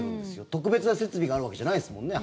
特別な設備があるわけじゃないですもんね。